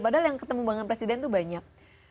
padahal yang ketemu dengan presiden itu banyak